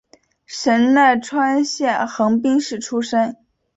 神奈川县横滨市出身。